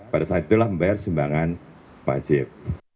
pada saat itulah membayar sumbangan wajib